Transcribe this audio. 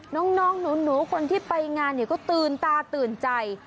น้องหนูคนที่ไปงานเนี่ยก็ตื่นตาตื่นใจ